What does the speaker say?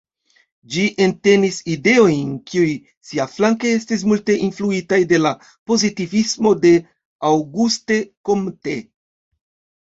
Ĝi entenis ideojn, kiuj siaflanke estis multe influitaj de la pozitivismo de Auguste Comte.